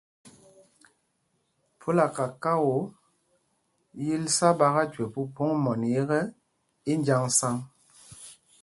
Phúla kakao, yǐl sá ɓaka jüe Mpumpong mɔní ekɛ, í njǎŋsaŋ.